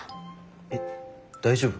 えっ大丈夫？